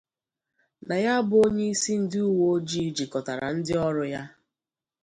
na ya bụ onyeisi ndị uweojii jikọtara ndị ọrụ ya